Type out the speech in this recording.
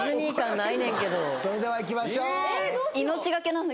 それではいきましょう・えっ！